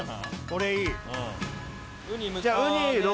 これいい。